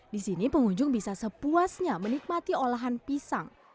di sini pengunjung bisa sepuasnya menikmati olahan pisang